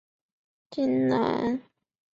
今南投县名间乡。